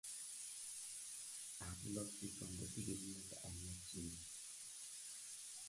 Ranulf was a son of Ranulf I and Bilichild of Maine.